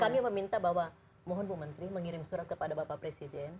kami meminta bahwa mohon bu menteri mengirim surat kepada bapak presiden